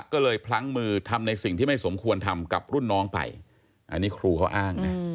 ก็เลยพลั้งมือทำในสิ่งที่ไม่สมควรทำกับรุ่นน้องไปอันนี้ครูเขาอ้างนะ